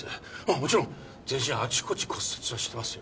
もちろん全身あちこち骨折はしてますよ。